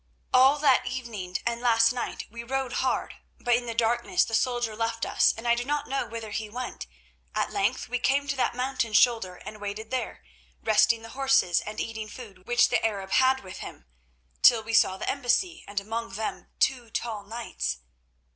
All that evening and last night we rode hard, but in the darkness the soldier left us, and I do not know whither he went. At length we came to that mountain shoulder and waited there, resting the horses and eating food which the Arab had with him, till we saw the embassy, and among them two tall knights.